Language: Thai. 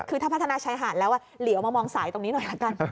คือถ้าพัฒนาชายหาดแล้วเหลียวมามองสายตรงนี้หน่อยละกัน